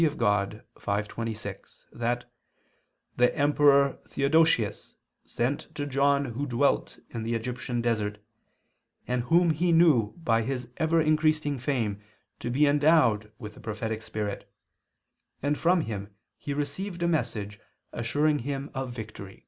Dei v, 26) that "the emperor Theodosius sent to John who dwelt in the Egyptian desert, and whom he knew by his ever increasing fame to be endowed with the prophetic spirit: and from him he received a message assuring him of victory."